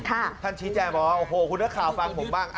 ท่านชี้แจงบอกว่าโอ้โหคุณนักข่าวฟังผมบ้าง